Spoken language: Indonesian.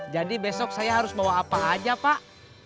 jadi besok saya harus bawa apa aja pak